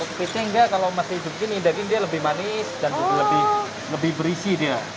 untuk kepiting enggak kalau masih hidup gini daging dia lebih manis dan lebih berisi dia